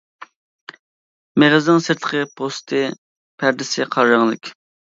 مېغىزىنىڭ سىرتقى پوستى پەردىسى قارا رەڭلىك.